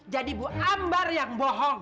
jadi bu ambar yang bohong